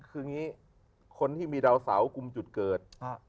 คืออย่างนี้คนที่มีดาวเสากลุ่มจุดเกิด